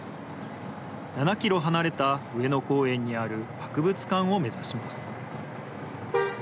７キロ離れた上野公園にある博物館を目指します。